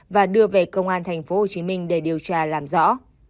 và đưa về công an thành phố hồ chí minh để điều tra làm rõ